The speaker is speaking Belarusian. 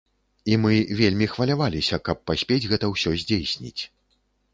І мы вельмі хваляваліся, каб паспець гэта ўсё здзейсніць.